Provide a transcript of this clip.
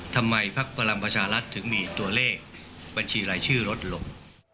ทำไมภักรรมประชารัฐถึงมีตัวเลขบัญชีไร้ชื่อลดหลบ